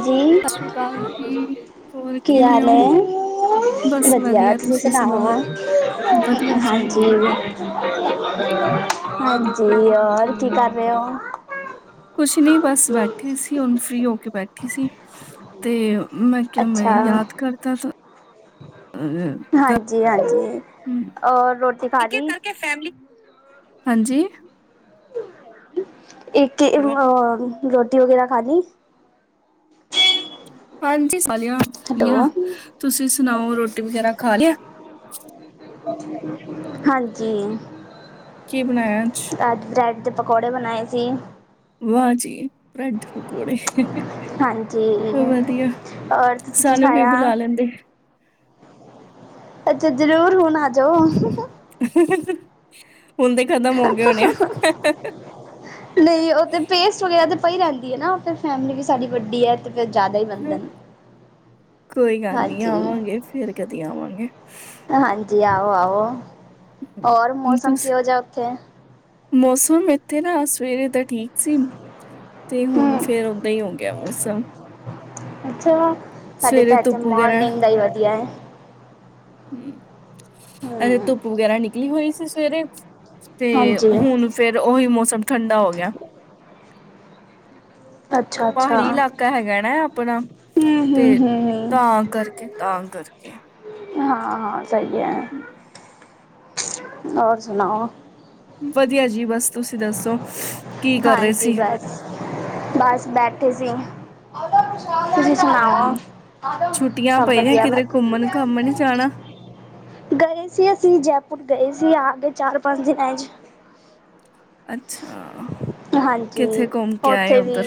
ਹਾਂਜੀ, ਸਤਿ ਸ਼੍ਰੀ ਅਕਾਲ ਜੀ, ਹੋਰ ਕੀ ਕਿਵੇਂ ਹਾਲ ਹੋ? ਹੈ, ਵਧੀਆ ਤੁਸੀਂ ਸੁਣਾਓ, ਹਾਂਜੀ ਵਧੀਆ ਹਾਂ। ਜੀ ਵਧੀਆ, ਵਧੀਆ। ਹੋਰ ਕੀ ਕਰ ਰਹੇ ਹੋ [inaudible] ਕੁਛ ਨੀ ਬਸ ਬੈਠੀ ਸੀ, ਹੁਣ ਫ੍ਰਰੀ ਹੋ ਕੇ ਬੈਠੀ ਸੀ। ਤੇ [inaudible] ਮੈਂ ਕਿਹਾ, ਮੈਂ ਅੱਛਾ ਯਾਦ ਕਰਦਾ ਹ ਹਾਂਜੀ ਹਾਂਜੀ ਔਰ ਰੋਟੀ ਖਾ ਲਈ ਹਾਂਜੀ। [unintelligible] ਇੱਕ [inaudible] ਰੋਟੀ ਵਗੈਰਾ ਖਾੜੀ? ਹਾਂਜੀ। ਖਾ ਲਿਆ ਪਆ ਤੁਸੀਂ ਸੁਣਾਓ ਰੋਟੀ ਵਗੈਰਾ ਖਾ ਲਿਆ [unintelligible] ਹਾਂਜੀ। ਕੀ ਬਣਾਇਆ ਅੱਜ? ਬ੍ਰੈਡ ਦੇ ਪਕੌੜੇ ਬਣਾਏ। ਸੀ [inaudible] ਵਾਜੀ! ਬ੍ਰੈਡ ਦੇ ਪਕੌੜੇ? ਹਾਂਜੀ, ਵਧੀਆ। ਔਰ ਤੁਸੀਂ ਕੀ ਸਾਨੂੰ ਵੀ ਖਾਇਆ? ਬੁਲਾ ਲੈਂਦੇ। ਅੱਛਾ ਜਰੂਰ ਹੁਣ ਆ ਜਾਓ [inaudible] ਖਤਮ ਹੋ ਗਏ ਹੋਣੇ ਨਹੀਂ ਉਹ ਤੇ ਪੇਸਟ ਵਗੈਰਾ ਤੇ ਪਈ ਰਹਿੰਦੀ ਨਾ ਫਿਰ ਫੈਮਲੀ ਵੀ ਸਾਡੀ ਵੱਡੀ ਹੈ ਅਤੇ ਕੋਈ ਗੱਲ ਨੀ ਹਾਂਜੀ, ਆਵਾਂਗੇ ਫੇਰ ਕਦੀ ਆਵਾਂਗੇ ਹਾਂਜੀ ਆਓ ਆਓ ਹੋਰ ਹਮ, ਮੌਸਮ ਤੁਸੀਂ ਕਿਹੋ ਜਿਹਾ ਉੱਥੇ ਮੌਸਮ ਇਥੇ ਨਾ ਸਵੇਰੇ ਦਾ ਠੀਕ ਸੀ ਤੇ ਹੁਣ ਹੂੰ, ਫੇਰ ਓਦਾਂ ਹੀ ਹੋ ਗਿਆ ਮੌਸਮ ਅੱਛਾ ਸਾਡੇ ਸਵੇਰੇ ਤਾਂ ਇੱਥੇ ਧੁੱਪ ਮੋਰਨਿੰਗ ਦਾ ਹੀ ਵਧੀਆ ਹੈ ਹਮ ਅੇ ਹੂੰ, ਧੁੱਪ ਵਗੈਰਾ ਨਿਕਲੀ ਹੋਈ ਸੀ ਸਵੇਰੇ ਤੇ ਹਾਂਜੀ ਹੁਣ ਫੇਰ ਉਹੀ ਮੌਸਮ ਠੰਡਾ ਹੋ ਗਿਆ ਪਿਆ ਅੱਛਾ-ਅੱਛਾ ਪਹਾੜੀ ਇਲਾਕਾ ਹੈਗਾ ਨਾ ਆਪਣਾ ਤੇ ਹੂੰ-ਹੂੰ-ਹੂੰ-ਹੂੰ ਤਾਂ ਕਰਕੇ ਤਾਂ ਕਰਕੇ [unintelligible] ਹਾਂ ਹਾਂ ਸਹੀ ਹੈ [unintelligible] ਹੋਰ ਸੁਣਾਓ ਵਧੀਆ ਜੀ ਬਸ ਤੁਸੀਂ ਦੱਸੋ ਕੀ ਕਰ ਰਹੇ ਹਾਂਜੀ ਸੀ ਬਸ, ਬਸ ਬੈਠੇ ਸੀ ਤੁਸੀਂ ਹੂੰ ਸੁਣਾਓ ਛੁੱਟੀਆਂ ਸਭ ਪਈਆਂ ਵਧੀਆ ਵਾ ਕਿਧਰੇ ਘੁੰਮਣ ਘਾਮਣ ਨੀ ਜਾਣਾ ਗਏ ਸੀ ਅਸੀਂ ਜੈਪੁਰ ਗਏ ਸੀ ਆ ਕੇ ਚਾਰ ਪੰਜ ਦਿਨਾਂ ਚ ਅੱਛਾ ਹਾਂਜੀ ਕਿੱਥੇ ਘੁੰਮ ਕੇ ਆਏ ਉੱਥੇ ਵੀ ਉੱਧਰ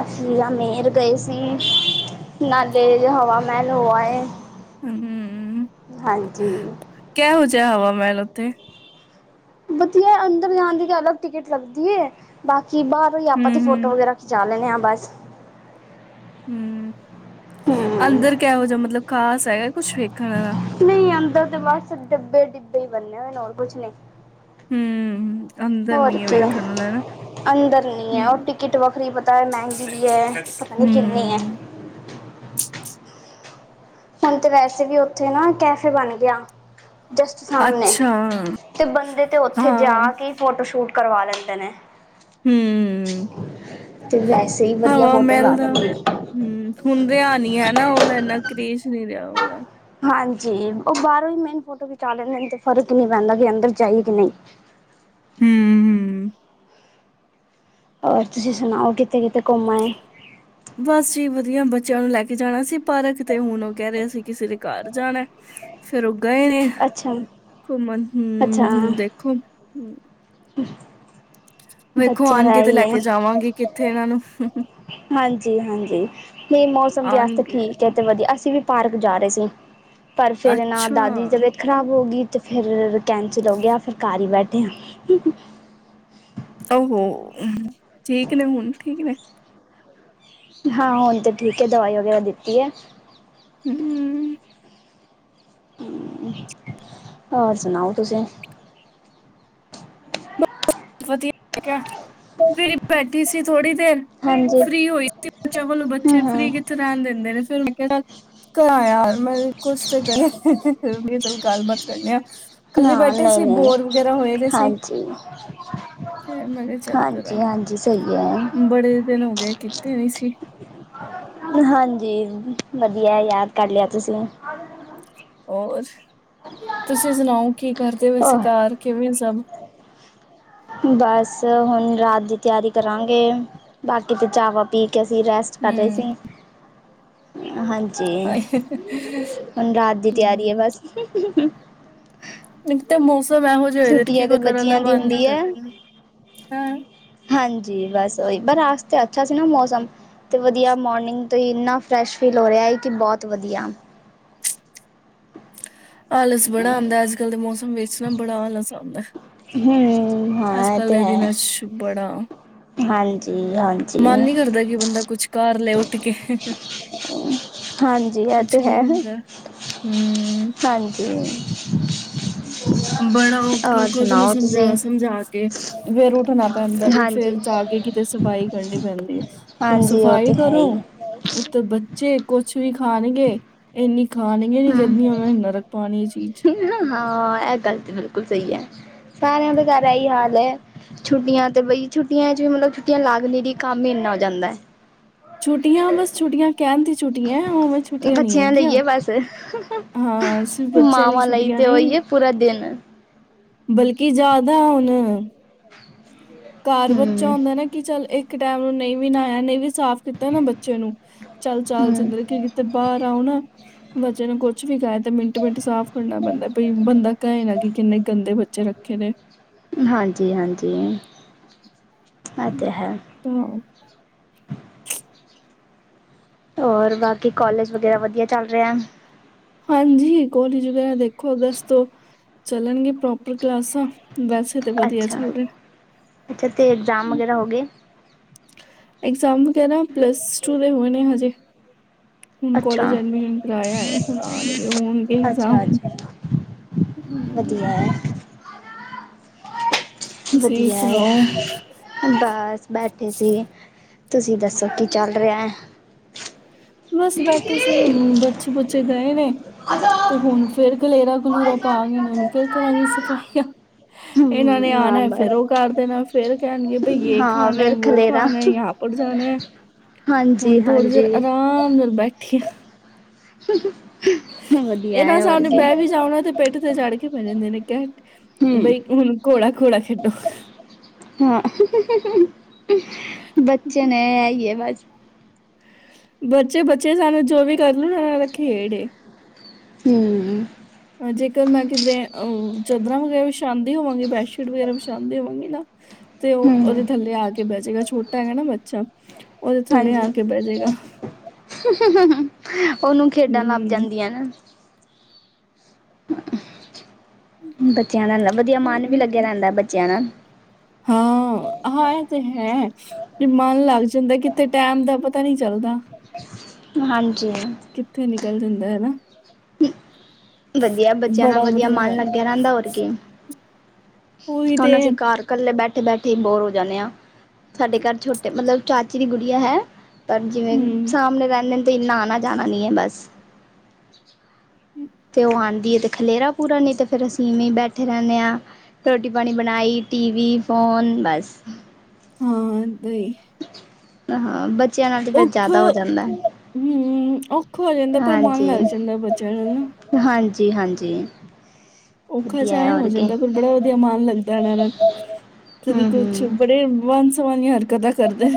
ਅਸੀਂ ਅਜਮੇਰ ਗਏ ਸੀ ਨਾਲ ਦੇੇਜ ਹਵਾ ਮਹਿਲ ਹੋ ਆਏ ਹਮ ਹਾਂਜੀ ਹਵਾ ਮਹਿਲ ਉੱਥੇ ਵਧੀਆ ਅੰਦਰ ਜਾਣ ਦੀ ਤਾਂ ਅਲੱਗ ਟਿਕਟ ਲੱਗਦੀ ਹੈ ਬਾਕੀ ਕਿ ਬਾਹਰ ਹੋਈ ਆਪਾਂ ਤੇ ਹੂੰ-ਹੂੰ, ਫੋਟੋ ਵਗੈਰਾ ਖਿਚਾ ਲੈਣੇ ਹਾਂ ਬਸ ਹਮ ਹਮ ਅੰਦਰ ਕਿਹੋ ਜਾ ਮਤਲਬ ਖਾਸ ਹੈਗਾ ਕੁੱਛ ਵੇਖ ਨਹੀਂ ਅੰਦਰ ਤੇ ਬਸ ਡੱਬੇ ਡਿੱਬੇ ਹੀ ਬੰਨੇ ਹੋਏ ਨੇ ਹੋਰ ਕੁਛ ਨੀ ਹੂੰ, ਅੰਦਰ ਹੋਰ ਨੀ ਐ ਕੀ ਵੇਖਣ ਆਲਾ ਨਾ। ਅੰਦਰ ਨੀ ਹੂੰ, ਹੈ ਉਹ ਟਿਕਟ ਵੱਖਰੀ ਪਤਾ ਹੈ ਮਹਿੰਗੀ ਵੀ ਹੈ ਪਤਾ ਨੀ ਕਿੰਨੀ ਹੈ ਹੂੰ, ਹੁਣ ਤੇ ਵੈਸੇ ਵੀ ਉੱਥੇ ਨਾ ਕੈਫੇ ਬਣ ਗਿਆ ਜਸਟ ਸਾਹਮਣੇ ਅੱਛਾ ਤੇ ਬੰਦੇ ਤੇ ਉੱਥੇ ਜਾ ਹਾਂ, ਕੇ ਫੋਟੋ ਸ਼ੂਟ ਕਰਵਾ ਲੈਂਦੇ ਨੇ ਹੂੰ ਤੇ ਵੈਸੇ ਹੀ ਵਧੀਆ ਹਵਾ ਫੋਟੋ ਆ ਮਹਿਲ ਦਾ ਜਾਂਦੇ ਨੇ ਹੂੰ ਹੁਣ ਰਿਹਾ ਨਹੀਂ ਹੈ ਨਾ ਹੁਣ ਇੰਨਾ ਕਰੇਜ ਨਹੀਂ ਰਿਹਾ। [inaudible] ਹਾਂਜੀ ਉਹ ਬਾਹਰੋਂ ਹੀ ਮੇਨ ਫੋਟੋ ਖਿਚਾ ਲੈਂਦੇ ਨੇ ਤੇ ਫ਼ਰਕ ਨਹੀਂ ਪੈਂਦਾ ਕਿ ਅੰਦਰ ਜਾਈਏ ਕਿ ਨਹੀਂ ਹੂੰ ਹੂੰ ਔਰ ਤੁਸੀਂ ਸੁਣਾਓ ਕਿਥੇ ਕਿਥੇ ਘੁੰਮ ਆਏ ਬਸ ਜੀ ਵਧੀਆ ਬੱਚਿਆਂ ਨੂੰ ਲੈ ਕੇ ਜਾਣਾ ਸੀ ਪਾਰਕ ਤੇ ਹੁਣ ਉਹ ਕਹਿ ਰਿਹਾ ਸੀ ਕਿਸੇ ਦੇ ਘਰ ਜਾਣਾ ਫੇਰ ਉਹ ਗਏ ਨੇ ਅੱਛਾ ਘੁੰਮਣ ਹੂੰ ਅੱਛਾ ਹੂੰ ਦੇਖੋ ਹੂੰ [inaudible] ਵੇਖੋ ਬੱਚਿਆਂ ਦਾ ਆਣਗੇ ਤੇ ਹੀ ਲੈ ਹੈ ਕੇ ਜਾਵਾਂਗੇ ਕਿੱਥੇ ਇਹਨਾਂ ਨੂੰ ਹਾਂਜੀ ਹਾਂਜੀ ਇਹ ਮੌਸਮ ਵਾਸਤੇ ਆਣਗੇ ਠੀਕ ਹੈ ਤੇ ਵਧੀਆ ਅਸੀਂ ਵੀ ਪਾਰਕ ਜਾ ਰਹੇ ਸੀ ਪਰ ਫਿਰ ਨਾ ਅੱਛਾ ਦਾਦੀ ਤਬੀਅਤ ਖਰਾਬ ਹੋ ਗਈ ਤੇ ਫਿਰ ਕੈਂਸਲ ਹੋ ਗਿਆ ਫਿਰ ਘਰ ਹੀ ਬੈਠੇ ਆ ਉਹ ਠੀਕ ਨੇ ਹੁਣ ਠੀਕ ਨੇ ਹਾਂ ਹੁਣ ਤਾਂ ਠੀਕ ਹੈ ਦਵਾਈ ਵਗੈਰਾ ਦਿੱਤੀ ਹੈ ਹੂੰ ਹੋਰ ਸੁਣਾਓ ਤੁਸੀਂ ਵਧੀਆ ਠੀਕ ਐ ਫੇਰੀ ਬੈਠੀ ਸੀ ਥੋੜੀ ਦੇਰ ਹਾਂਜੀ ਫ੍ਰਰੀ ਹੋਈ ਸੀ ਬੱਚਾ ਵੱਲੋਂ ਹੂੰ ਬੱਚੇ ਹੂੰ ਫ੍ਰਰੀ ਕਿੱਥੇ ਰਹਿਣ ਦਿੰਦੇ ਨੇ ਫੇਰ ਕਰਾਇਆ [inaudible] ਕੁਛ ਤੇ ਗਏ ਚਲਗੇ ਚਲਗੇ ਗੱਲਬਾਤ ਕਰਨੀ ਆ ਕੱਲੀ ਨਾ ਬੈਠੇ ਨਹੀਂ ਸੀ ਨਹੀਂ ਬੋਰ ਵਗੈਰਾ ਹੋਏ ਰਹੇ ਸੀ ਹਾਂਜੀ ਫਿਰ ਮੈਂ ਕਿਹਾ ਚੱਲ ਕਰਾਂ ਹਾਂਜੀ ਹਾਂਜੀ ਸਹੀ ਹੈ ਬੜੇ ਦਿਨ ਹੋ ਗਏ ਕੀ ਤੀ ਨੀ ਸੀ। ਹਾਂਜੀ ਵਧੀਆ ਯਾਦ ਕਰ ਲਿਆ ਤੁਸੀਂ ਹੋਰ ਤੁਸੀਂ ਸੁਣਾਓ ਕੀ ਕਰਦੇ ਹੋ ਹੋਰ ਘਰ ਕਿਵੇਂ ਸਭ ਬਸ ਹੁਣ ਰਾਤ ਦੀ ਤਿਆਰੀ ਕਰਾਂਗੇ। ਬਾਕੀ ਤੇ ਚਾਵਾ ਪੀ ਕੇ ਅਸੀਂ ਰੈਸਟ ਕਰ ਰਹੇ ਹੂੰ ਸੀ। ਹਾਂਜੀ, ਹਾਏ ਹੁਣ ਰਾਤ ਦੀ ਤਿਆਰੀ ਐ ਬਸ। ਇਕ ਤੇ ਮੌਸ ਮੌਸਮ ਇਹੋ ਜਿਹੇ ਹੋਏ ਦੇ ਕਿ ਛੁੱਟੀਆਂ ਤੇ ਕੁਝ ਕਰਨ ਦਾ ਬੱਚਿਆਂ ਦੀ ਮਨ ਨਹੀਂ ਹੁੰਦੀ ਹੈ ਕਰਦਾ। ਹਾਂਜੀ ਬਸ ਉਹੀ ਪਰ ਅਜ ਤੇ ਅੱਛਾ ਸੀ ਨਾ ਮੌਸਮ ਤੇ ਵਧੀਆ ਮੋਰਨਿੰਗ ਤੋਂ ਹੀ ਇੰਨਾ ਫਰੈਸ਼ ਫੀਲ ਹੋ ਰਿਹਾ ਸੀ, ਕਿ ਬਹੁਤ ਵਧੀਆ। ਆਲਸ ਬੜਾ ਆਂਦਾ, ਅੱਜ ਕੱਲ ਦੇ ਮੌਸਮ ਵਿੱਚ ਨਾ ਬੜਾ ਆਲਸ ਆਂਦਾ। ਹੂੰ ਹਾਂ ਇਹ ਅੱਜ-ਕੱਲ ਤੇ ਦੇ ਹੈ ਦਿਨਾਂ ਚ ਬੜਾ ਹਾਂਜੀ, ਹਾਂਜੀ, ਮਨ ਨੀ ਕਰਦਾ ਕਿ ਬੰਦਾ ਕੁੱਛ ਕਰ ਲੇ ਉਠ ਕੇ ਹਾਂਜੀ ਇਹ ਕੁਛ ਤੇ ਹੈ, ਨੀ ਹੁੰਦਾ ਹੂੰ ਹਾਂਜੀ। ਬੜਾ ਔਖਾ ਔਰ ਖੁੱਦ ਨੂੰ ਸੁਣਾਓ ਤੁਸੀਂ? ਸਮਝਾ- ਸਮਝਾ ਕੇ ਫੇਰ ਓਹ ਰੱਖਣਾ ਪੈਂਦਾ ਬਈ ਫੇਰ ਹਾਂਜੀ, ਜਾ ਕੇ ਕਿਤੇ ਸਫ਼ਾਈ ਕਰਨੀ ਪੈਂਦੀ ਏ, ਹੁਣ ਹਾਂਜੀ ਉਹ ਤੇ ਸਫ਼ਾਈ ਹੈ ਕਰੋ ਹੀ। ਉਤੋਂ ਬਚ ਬੱਚੇ ਕੁਛ ਵੀ ਖਾਣਗੇ, ਇੰਨੀ ਖਾਣਗੇ ਨੀ ਜਦ ਨੀ ਉਹਨਾਂ ਨੇ ਨਰਕ ਪਾਣੀ ਏ ਚੀਜ਼ ਹੂੰ ਹਾਂ ਇਹ ਗੱਲ ਤੇ ਬਿਲਕੁਲ ਸਹੀ ਐ ਸਾਰਿਆਂ ਦੇ ਘਰ ਇਹੀ ਹਾਲ ਐ ਛੁੱਟੀਆਂ ਤੇ ਬਈ ਛੁੱਟੀਆਂ ਚ ਵੀ ਮਤਲਬ ਛੁੱਟੀਆਂ ਲੱਗਦੀ ਨਹੀਂ, ਕੰਮ ਹੀ ਇੰਨਾ ਹੋ ਜਾਂਦਾ ਹੈ। ਛੁੱਟੀਆਂ ਬਸ ਛੁੱਟੀਆ ਕਹਿਣ ਦੀ ਛੁੱਟੀਆਂ ਬੱਚਿਆਂ ਲਈ ਏ ਬਸ ਮਾਵਾਂ ਲਈ ਤੇ ਉਹੀ ਏ ਪੂਰਾ ਦਿਨ ਬਲਕਿ ਜ਼ਿਆਦਾ ਹੁਣ ਕਾਰ ਬੱਚਾ ਹੂੰ, ਹੁੰਦਾ ਨਾ ਕਿ ਚੱਲ ਇੱਕ ਇੱਕ ਟਾਈਮ ਨਹੀਂ ਵੀ ਨਾਇਆ ਨਹੀਂ ਵੀ ਸਾਫ਼ ਕੀਤਾ ਨਾ ਬੱਚੇ ਨੂੰ ਚੱਲ ਚਾਲ ਹੂੰ ਜਿੰਦਰੇ ਕਿ ਕਿਤੇ ਬਾਹਰ ਆਓ ਨਾ ਬੱਚਿਆਂ ਨੂੰ ਕੁੱਛ ਵੀ ਕਹਿ ਤੇ ਮਿੰਟ -ਮਿੰਟ ਸਾਫ਼ ਕਰਨਾ ਪੈਂਦਾ। ਕਿ ਬੰਦਾ ਕਹੇ ਨਾ ਕਿ ਕਿੰਨੇ ਗੰਦੇ ਬੱਚੇ ਰੱਖੇ ਨੇ। ਹਾਂਜੀ, ਹਾਂਜੀ। ਇਹ ਤੇ ਹੈ। ਤਾਂ ਹੋਰ, ਬਾਕੀ ਕੋਲਜ਼ ਵਗੈਰਾ ਵਧੀਆ ਚੱਲ ਰਿਹਾ। ਹਾਂਜੀ ਕਾਲਜ ਵਗੈਰਾ ਦੇਖੋ ਅਗਸਤ ਤੋਂ ਚੱਲਣਗੇ, ਪ੍ਰੋਪਰ ਕਲਾਸਾਂ। ਵੈਸੇ ਤੇ ਵਧੀਆ ਅੱਛਾ, ਚੱਲ ਅੱਛਾ ਤੇ ਐਗਜ਼ਾਮ ਵਗੈਰਾ ਰਿਹਾ ਹੋ ਗਏ। ਐਗਜ਼ਾਮ ਵਗੈਰਾ ਪਲੱਸ ਟੂ ਦੇ ਹੋਏ ਨੇ ਹਜੇ। ਤੇ ਹੁਣ ਅੱਛਾ ਕਾਲਜ ਐਡਮਿਸ਼ਨ ਕਰਵਾ ਆਏ ਹੁਣ ਆਉਣਗੇ, ਹੋਣਗੇ ਇਗਜ਼ਾਮ ਅੱਛਾ ਅੱਛਾ ਵਧੀਆ ਹਮ ਹੈ। ਤੁਸੀਂ ਵਧੀਆ ਸੁਣਾਓ ਹੈ ਬਸ ਬੈਠੇ ਸੀ। ਤੁਸੀਂ ਦੱਸੋ ਕੀ ਚੱਲ ਰਿਹਾ ਹੈ। ਬਸ ਬੈਠੇ ਸੀ ਬੱਚੇ ਬੁੱਚੇ ਗਏ ਵੇ। ਤੇ ਹੁਣ ਫੇਰ ਖਲੇਰਾ ਖਲੂਰਾ ਪਾ ਗਏ ਨੇ ਹੁਣ ਫੇਰ ਕਰਾਂਗੀ ਸਫ਼ਾਈਆਂ ਹਮ ਇਹਨਾਂ ਨੇ ਨਾ ਆਣਾ ਫੇਰ ਬਸ ਉਹ ਕਰ ਦੇਣਾ ਫੇਰ ਕਹਿਣਗੇ ਬਈ ਯਹ ਹਾਂ ਖਾਣਾ ਫਿਰ ਵੋ ਖਲੇਰਾ ਖਾਣਾ ਜਹਾ ਪਰ ਜਾਣਾ ਹਾਂਜੀ ਹੁਣ ਥੋੜੀ ਦੇਰ ਹਾਂਜੀ ਆ ਹਾਂ ਮਤਲਬ ਬੈਠੀ [unintelligible] ਵਧੀਆ ਇਹਨਾਂ ਹੈ ਹੋਰ ਹਿਸਾਬ ਨਾਲ ਕੀ ਬਹਿ ਵੀ ਜਾਣਾ ਤੇ ਪਿੱਠ ਕੇ ਚੜ ਕੇ ਬਹਿ ਜਾਂਦੇ ਨੇ ਕਹਿ ਹੂੰ, ਬਈ ਹੁਣ ਘੋੜਾ ਘੋੜਾ ਖੇਡੋ ਹਾਂ ਬੱਚੇ ਨੇ ਆਈਏ ਬ ਬੱਚੇ ਬੱਚੇ ਸਾਨੂੰ ਜੋ ਵੀ ਕਰਨ ਹਾਂ ਇਹ ਤਾਂ ਖੇਡ ਐ। ਹੂੰ ਮੈਂ ਕਿਧਰੇ ਅਹ, ਚਾਦਰਾਂ ਵਗੈਰਾ ਵਿਛਾਉਂ ਹੋਵਾਂਗੇ, ਬੈਡਸ਼ੀਟ ਵਗੈਰਾ ਵਿਛਾਂਦੀ ਹੋਵਗੇ ਨਾ ਤੇ ਉਹ ਉਹਦੇ ਹਮ ਥੱਲੇ ਆ ਕੇ ਬਹ ਜੇਗਾ। ਛੋਟਾ ਹੈ ਨਾ ਬੱਚਾ ਉਹਦੇ ਥੱਲੇ ਹਾਂਜੀ ਆ ਕੇ ਬਹਿ ਜਾਏਗਾ ਓਨੂੰ ਖੇਡਾਂ ਲੱਭ ਹਮ ਜਾਂਦੀਆਂ ਨਾ। ਬੱਚਿਆਂ ਦਾ ਵਧੀਆ ਮਨ ਵੀ ਉਹੀ ਲੱਗਿਆ ਤੇ। ਰਹਿੰਦਾ ਬੱਚਿਆਂ ਨਾਲ। ਹਾਂ ਆ ਤੇ ਹੈ। ਵੀ ਮਨ ਲੱਗ ਜਾਂਦਾ ਕਿੱਥੇ ਟੈਮ ਦਾ ਪਤਾ ਨੀ ਚੱਲਦਾ। ਹਾਂ [unintelligible] ਕਿੱਥੇ ਨਿਕਲ ਜਾਂਦਾ ਹਨਾ। ਵਧੀਆ ਬੱਚਿਆਂ ਨਾਲ ਵਧੀਆ ਮਨ ਲੱਗਿਆ ਰਹਿੰਦਾ ਹੋਰ ਕੀ। ਉਹੀ ਤੇ ਹੁਣ ਅਸੀਂ ਘਰ ਇਕੱਲੇ ਬੈ ਬੈਠੇ ਬੋਰ ਹੋ ਜਾਂਨੇ ਆ ਸਾਡੇ ਘਰ ਛੋਟੇ ਮਤਲਬ ਚਾਚੀ ਦੀ ਗੁੜੀਆ ਹੈ ਪਰ ਜਿਵੇਂ ਹਮ ਸਾਹਮਨੇ ਰੇਹਨੇ ਨੇ ਇਨਾ ਆਨਾ ਜਾਨਾ ਨੀ ਏ ਬਸ ਤੇ ਉਹ ਆਦੀ ਏ ਖਲੇਰਾ ਪੂਰਾ ਨਹੀਂ ਤੇ ਫਿਰ ਅਸੀਂ ਇਵੇਂ ਬੈਠੇ ਰਹਿੰਨੇ ਆ ਰੋਟੀ ਪਾਣੀ ਬਨਾਈ ਟੀ ਵੀ ਫੋਨ ਬਸ ਹੁ ਹ ਹਾਂ ਬ [inaudible] ਔਖਾ ਹੁ ਔਖਾ ਹੋ ਜਾਂਦਾ ਪਰ ਮਨ ਹਾਂਜੀ। ਲੱਗ ਜਾਂਦਾ ਬੱਚਿਆਂ ਨੂੰ ਨਾ ਜੀ ਹਾਂਜੀ ਔਖਾ ਚਾਏ ਹੋ ਜਾਂਦਾ ਪਰ ਬੜਾ ਵਧੀਆ ਮਨ ਲੱਗਦਾ ਇਹਨਾਂ ਨਾਲ ਕਦੀ ਕੁਛ ਹੂੰ-ਹੂੰ। ਬੜੇ ਵਨ ਸੀ ਹਰ [inaudible] ਕਦਾ ਕਰਦੇ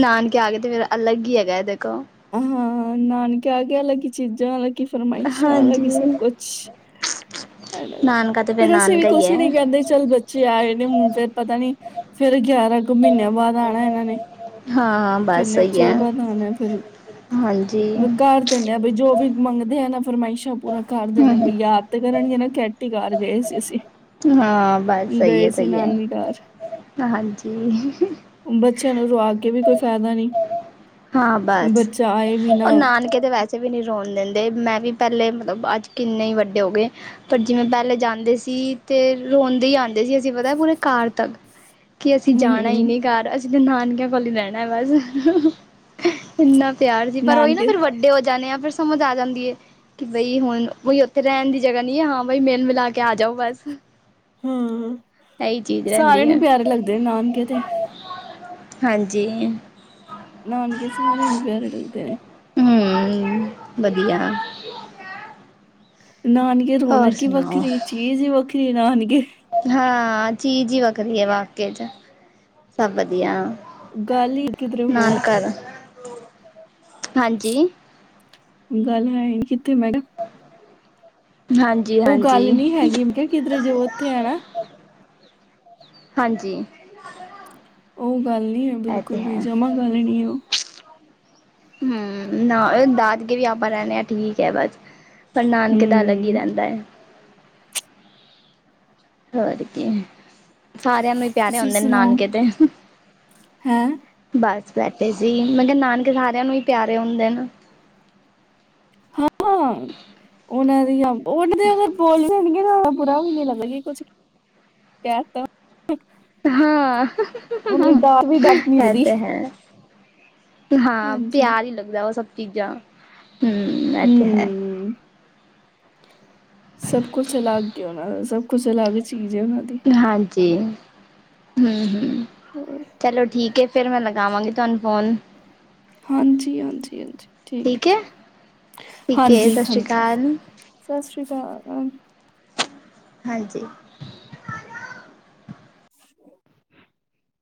ਨਾਨਕੇ ਆ ਗਏ ਤੇ ਫੇਰਾ ਅਲੱਗ ਹੀ ਹੈਗਾ ਦੇਖੋ ਹਾਂ ਨਾਨਕੇ ਆ ਕੇ ਅਲੱਗ ਚੀਜ਼ਾਂ ਅਲੱਗ ਕਿ ਫਰਮਾਇਸ਼ਾਂ ਵਾਲ ਹਾਂਜੀ ਕਿ ਸਭ ਕੁਛ ਹਨ ਦਾ ਨਾਨਕਾ ਤੇ ਫੇ ਫਿਰ [inaudible] ਰ ਅਸੀਂ ਵੀ ਨਾਨਕਾ ਹੀ ਕੁਛ ਹੈ ਨੀ ਕਹਿੰਦੇ ਚੱਲ ਬੱਚੇ ਆਏ ਨੇ ਹੁਣ ਫੇਰ ਪਤਾ ਨੀ ਫੇਰ ਗਿਆਰਾਂ ਕੁ ਮਹੀਨਿਆਂ ਬਾਦ ਆਣਾ ਇਹਨਾਂ ਨੇ ਹਾਂ ਹਾਂ ਬਸ ਕਿੰਨੇ ਕੁ ਸਹੀ ਏ ਚਿਰ ਬਾਅਦ ਆਣਾ ਫੇਰ। ਕਰ ਦਿੰਨੇ ਆ ਬਈ ਜੋ ਵੀ ਮੰਗਦੇ ਆ ਨਾ ਫਰਮਾਇਸ਼ਾਂ ਪੂਰਾ ਕਰ ਦਿੰਦੇ ਬਈ ਯਾਦ ਤੇ ਕਰਨਗੇ ਨਾ ਕੈਟੀ ਕਰ ਗਏ ਸੀ ਅਸੀਂ ਹਾਂ ਬਸ ਸਹੀ ਗਏ ਹੈ ਸੀ ਸਹੀ ਨਾਨੀ ਘਰ। ਹੈ ਹਾਂਜੀ ਚਨੋਗ [inaudible] ਅਗੇ ਵੀ ਕੋਈ ਫੈਦਾ ਨੀ ਹਾਂ ਬਸ ਬੱਚਾ ਆਏ ਵੀ ਉਹ ਨਾ ਨਾਨਕੇ ਤੇ ਵੈਸੇ ਵੀ ਨੀ ਰੋਣ ਦਿੰ ਮੈਂ ਵੀ ਪਹਿਲੇ ਅੱਜ ਕਿੰਨੇ ਹੀ ਵੱਡੇ ਹੋ ਗਏ ਪਰ ਜਿਵੇਂ ਪਹਿਲੇ ਜਾਂਦੇ ਸੀ ਤੇ ਰੋਂਦੇ ਈ ਆਂਦੇ ਸੀ ਅਸੀਂ ਪਤਾ ਪੂਰੇ ਕਾਰ ਤੱਕ ਕਿ ਅਸੀਂ ਜਾਣਾ ਈ ਹੂੰ, ਨੀ ਘਰ ਅਸ ਨਾਨਕਿਆਂ ਕੋਲ ਈ ਰੈਣਾ ਬਸ ਇੰਨਾ ਤਿਆਰ ਸੀ ਪਰ ਉਹੀ ਨਾ ਨਾਨਕੇ ਫ਼ਿਰ ਵੱਡੇ ਹੋ ਜਾਨੇ ਆ ਫਿਰ ਸਮਝ ਆ ਜਾਂਦੀ ਏ ਕਿ ਬਈ ਹੁਣ ਉੱਥੇ ਰਹਿਣ ਦੀ ਜਗ੍ਹਾ ਨਹੀਂ ਏ ਹਾਂ ਬਈ ਮਿਲ ਮਿਲਾ ਕੇ ਆ ਜਾਓ ਬਸ ਹੁ ਇਹੀ ਚੀਜ਼ ਰਹਿੰਦੀ ਸਾਰਿਆਂ ਨੂੰ ਹੈ ਪਿਆਰੇ ਲੱਗਦੇ ਨੇ ਨਾਨਕੇ ਤੇ ਹਾਂਜੀ ਨਾਨਕੇ ਸਾਰਿਆਂ ਨੂੰ ਪਿਆਰੇ ਲੱਗਦੇ ਨੇ ਹੂੰ ਵਧੀਆ ਨਾਨਕੇ ਹੋਰ ਰੌਣਕ ਹੀ ਵੱਖਰੀ ਚੀਜ਼ ਹੀ ਵੱਖਰੀ ਨਾਨਕੇ ਹਾਂ! ਹਾਂ ਚੀਜ਼ ਹੀ ਵੱਖਰੀ ਹੈ, ਵਾਕਈ ਚ। ਸਭ ਵਧੀਆ। ਗਾਲੀ, ਕਿਧਰੇ ਹੋਰ ਨਾਨਕਾ ਦਾ ਹਾਂਜੀ ਗੱਲ ਹੈਈ ਨੀ, ਕਿੱਥੇ, ਮੈਂ ਕਿਹਾ ਹਾਂਜੀ ਉਹ ਗੱਲ ਹਾਂਜੀ ਨੀ ਹੈਗੀ, ਮੈਂ ਕਿਹਾ ਕਿਧਰੇ ਜੋ ਉੱਥੇ ਆ ਨਾ ਹਾਂਜੀ ਉਹ ਗੱਲ ਨੀ ਹੈ, ਇਹ ਤੇ ਬਿਲਕੁਲ ਵੀ, ਹੈ। ਜਮਾ ਗੱਲ ਨੀ ਉਹ ਹੂੰ ਨਾ, ਦਾਦਕੇ ਵੀ ਆਪਾਂ ਰਹਿਣੇ ਅ, ਹਾਂ! ਠੀਕ ਹੈ, ਬਸ। ਪਰ, ਨਾਨਕੇ ਦਾ ਅਲੱਗ ਹੀ ਹੂੰ ਰਹਿੰਦਾ ਹੋਰ ਕੀ! ਸਾਰਿਆਂ ਨੂੰ ਹੀ ਪਿਆਰੇ ਤੁਸੀਂ ਹੁੰਦੇ ਨੇ, ਸੁਣਾਓ ਨਾਨਕੇ ਤੇ ਹੈਂ ਬਸ ਬੈਠੇ ਸੀ, ਮੈਂ ਕਿਹਾ ਨਾਨਕੇ ਸਾਰਿਆਂ ਨੂੰ ਹੀ ਪਿਆਰੇ ਹੁੰਦੇ ਨੇ। ਹਾਂ! ਉਹਨਾਂ ਦੀ ਉਹ ਤਾਂ ਅਗਰ ਬੋਲਣ, ਬੁਰਾ ਵੀ ਨੀ ਲੱਗਦਾ, ਕੁਛ ਕਹਿਤਾ ਹਾਂ! ਉਹਨਾਂ ਦੀ ਡਾਂਟ ਵੀ ਡਾਂਟ ਨੀ ਹੈ ਲੱਗਦੀ ਤੇ ਹੈ ਹਾਂ ਹਾਂਜੀ ਪਿਆਰ ਹੀ ਲੱਗਦਾ ਉਹ ਸਭ ਚੀਜ਼ਾਂ ਹੂੰ, ਇਹ ਤੇ ਹੈ। ਹੂੰ ਸਭ ਕੁਛ ਅਲੱਗ ਹੀ ਉਹਨਾਂ ਦਾ, ਸਭ ਕੁਛ ਅਲੱਗ ਚੀਜ਼ ਹੈ ਉਹਨਾਂ ਦੀ ਹਾਂਜੀ! ਹੂੰ ਹੂੰ। ਹੂੰ ਹੋਰ ਚਲੋ ਠੀਕ ਹੈ, ਫੇਰ ਮੈ ਲੱ ਵਾਂਗੀ ਤੁਹਾਨੂੰ ਫੋਨ। ਹਾਂਜੀ, ਹਾਂਜੀ, ਹਾਂਜੀ ਠੀਕ ਹੈ ਜੀ ਠੀਕ ਹੈ ਹਾਂਜੀ, ਸਤਿ ਸ਼੍ਰੀ ਹਾਂਜੀ, ਅਕਾਲ ਸਤਿ ਸ੍ਰੀ ਅਕਾਲ। ਹਾਂਜੀ। [unintelligible]